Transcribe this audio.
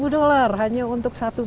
tiga puluh dollars hanya untuk satu bang